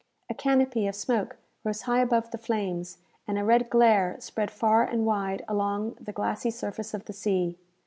A canopy of smoke rose high above the flames, and a red glare spread far and wide along the glassy surface of the sea.